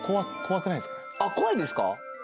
あっ怖いですか？